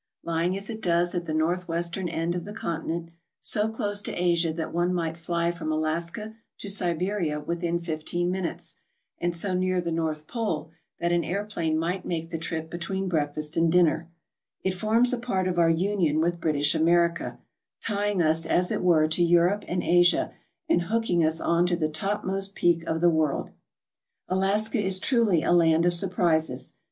Lying as it does at the northwestern end of the continent, so close to Asia that one might fly from Alaska to Siberia within fifteen minutes, and so near the North Pole that an airplane might make the trip between breakfast and dinner, it forms a part of our union with British America, tying us as it were to Europe and Asia, and hooking us on to the topmost peak of the world. Alaska is truly a land of surprises.